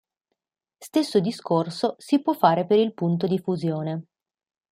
Stesso discorso si può fare per il punto di fusione.